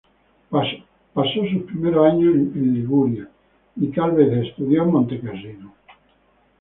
Pasó sus primeros años en Liguria y tal vez estudió en Montecassino.